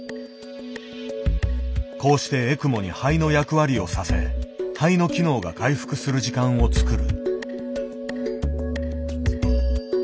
こうしてエクモに肺の役割をさせ肺の機能が回復する時間をつくる。